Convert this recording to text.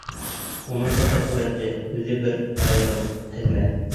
Уның фотоһүрәте — үҙе бер айырым хеҙмәт.